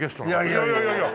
いやいやいやいや。